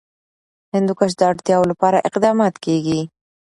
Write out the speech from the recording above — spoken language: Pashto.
د هندوکش د اړتیاوو لپاره اقدامات کېږي.